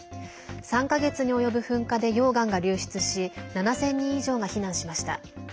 ３か月に及ぶ噴火で溶岩が流出し７０００人以上が避難しました。